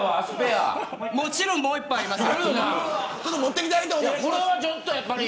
もちろんもう１本あります。